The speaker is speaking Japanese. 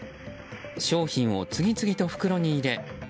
商品を次々と袋に入れ